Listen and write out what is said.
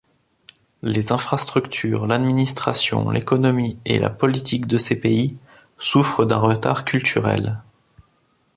Les infrastructures, l'administration, l'économie et la politique de ces pays souffrent d'un retard culturel.